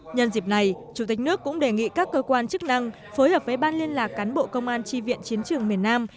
nhân dịp này chủ tịch nước cũng đề nghị các cơ quan chức năng phối hợp với ban liên lạc cán bộ công an tri viện chiến trường miền nam